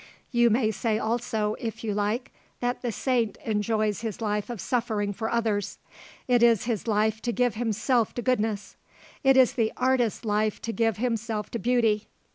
"You may say also, if you like, that the saint enjoys his life of suffering for others. It is his life to give himself to goodness; it is the artist's life to give himself to beauty.